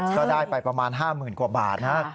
ก็ได้ไปประมาณ๕๐๐๐กว่าบาทนะ